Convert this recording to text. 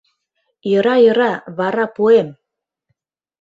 Йӧра, йӧра, вара пуэм!